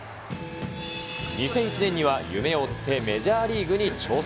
２００１年には夢を追ってメジャーリーグに挑戦。